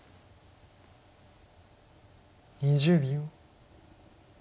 ２０秒。